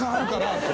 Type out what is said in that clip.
って。